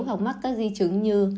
hoặc mắc các di chứng như